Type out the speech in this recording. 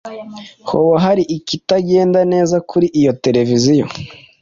Hoba hari ikitagenda neza kuri iyo televiziyo